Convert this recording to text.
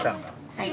はい。